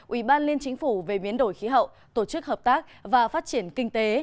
ủy ban liên chính phủ về biến đổi khí hậu tổ chức hợp tác và phát triển kinh tế